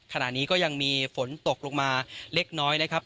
ขณะนี้ก็ยังมีฝนตกลงมาเล็กน้อยนะครับ